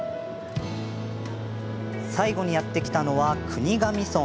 最後にやって来たのは国頭村。